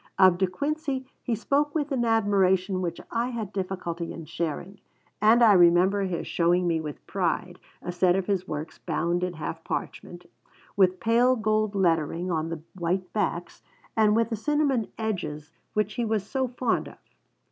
Of De Quincey he spoke with an admiration which I had difficulty in sharing, and I remember his showing me with pride a set of his works bound in half parchment, with pale gold lettering on the white backs, and with the cinnamon edges which he was so fond of.